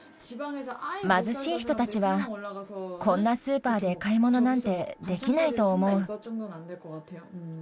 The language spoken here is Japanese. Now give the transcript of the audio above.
貧しい人たちは、こんなスーパーで買い物なんてできないと思う。